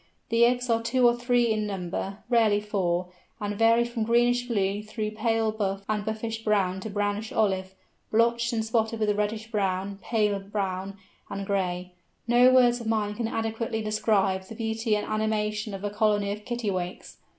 The eggs are two or three in number, rarely four, and vary from greenish blue, through pale buff and buffish brown to brownish olive, blotched and spotted with reddish brown, paler brown, and gray. No words of mine can adequately describe the beauty and animation of a colony of Kittiwakes.